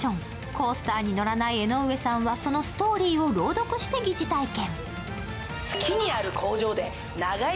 コースターに乗らない江上さんは、そのストーリーを朗読して疑似体験。